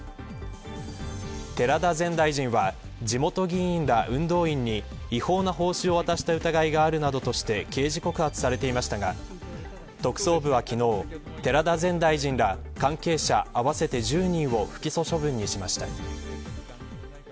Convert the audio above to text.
寺田前大臣は地元議員ら運動員に違法な報酬を渡した疑いがあるなどとして刑事告発されていましたが特捜部は昨日寺田前大臣ら、関係者合わせて１０人を不起訴処分にしました。